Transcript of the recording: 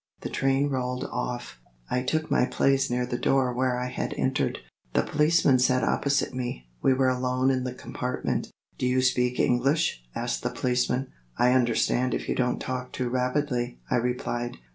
The train rolled off. I took my place near the door where I had entered. The policeman sat opposite me; we were alone in the compartment. "Do you speak English?" asked the policeman. "I understand if you don't talk too rapidly," I replied.